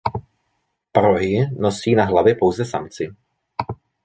Parohy nosí na hlavě pouze samci.